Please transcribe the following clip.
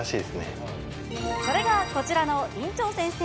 それがこちらの院長先生。